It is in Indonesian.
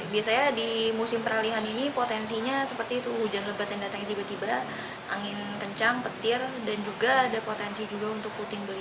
biasanya di musim peralihan ini potensinya seperti itu hujan lebat yang datangnya tiba tiba angin kencang petir dan juga ada potensi juga untuk puting beli